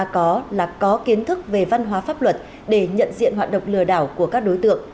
có là có kiến thức về văn hóa pháp luật để nhận diện hoạt động lừa đảo của các đối tượng